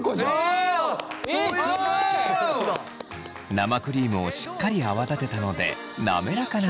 生クリームをしっかり泡立てたので滑らかな仕上がりに。